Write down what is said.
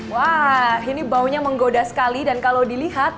wah ini baunya menggoda sekali dan kalau dilihat